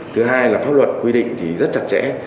thứ hai là pháp luật quy định thì rất chặt chẽ